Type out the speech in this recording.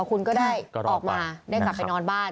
คุณก็ได้ออกมาได้กลับไปนอนบ้าน